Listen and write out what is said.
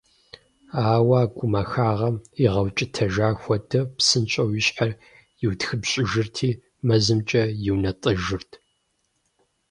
Ауэ и гумахагъэм игъэукӏытэжа хуэдэ, псынщӏэу и щхьэр иутхыпщӏырти мэзымкӏэ иунэтӏыжырт.